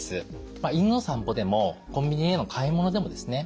犬の散歩でもコンビニへの買い物でもですね